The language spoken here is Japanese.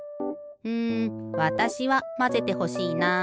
うんわたしはまぜてほしいな。